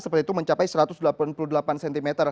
seperti itu mencapai satu ratus delapan puluh delapan cm